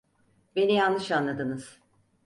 Beni yanlış anladınız.